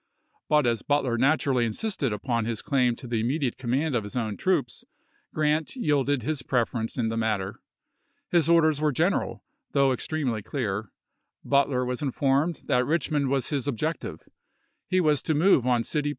But as Butler naturally insisted upon his claim to the immediate command of his own troops. Grant yielded his preference in the matter. His orders were general, though ex tremely clear: Butler was informed that Rich mond was his objective ; he was to move on City May, 1864.